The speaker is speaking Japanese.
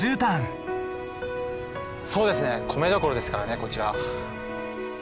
そうですね米どころですからねこちら。